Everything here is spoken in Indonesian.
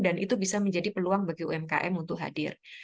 dan itu bisa menjadi peluang bagi umkm untuk hadir